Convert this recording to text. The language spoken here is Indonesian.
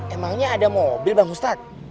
emangnya ada mobil bang ustadz